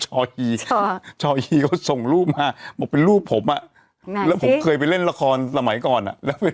ชอฮีอะไรบ่วนชอฮีเขาส่งรูปมาบอกเป็นรูปผมแล้วผมเคยเป็นเล่นละครสมัยก่อน